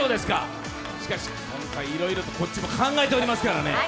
しかし、今回いろいろと、こっちも考えていますからね。